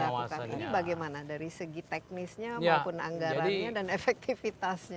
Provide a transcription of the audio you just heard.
lakukan ini bagaimana dari segi teknisnya maupun anggarannya dan efektivitasnya